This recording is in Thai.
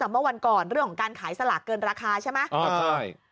เมื่อวันก่อนเรื่องของการขายสลากเกินราคาใช่ไหม